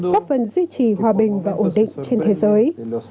góp phần duy trì hòa bình và ổn định trên thế giới